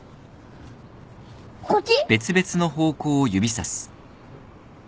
こっち？